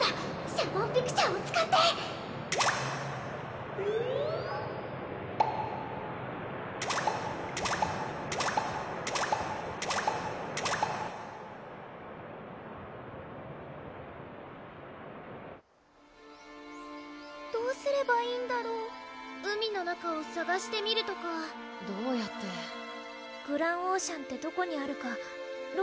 シャボンピクチャーを使ってどうすればいいんだろう海の中をさがしてみるとかどうやってグランオーシャンってどこにあるかローラから聞いてない？